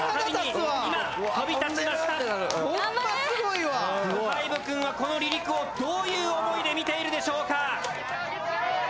スハイブくんはこの離陸をどういう想いで見ているでしょうか。